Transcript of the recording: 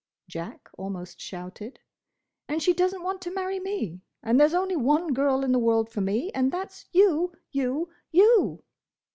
Jack almost shouted. "And she does n't want to marry me; and there 's only one girl in the world for me, and that's you—you—you!"